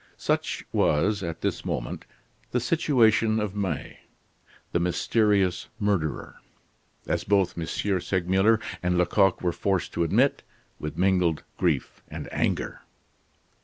Such was, at this moment, the situation of May, the mysterious murderer; as both M. Segmuller and Lecoq were forced to admit, with mingled grief and anger.